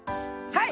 はい！